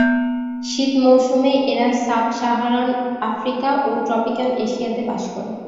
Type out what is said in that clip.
শীত মৌসুম এরা সাব-সাহারান আফ্রিকা ও ট্রপিক্যাল এশিয়াতে বাস করে।